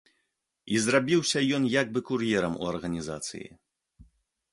І зрабіўся ён як бы кур'ерам у арганізацыі.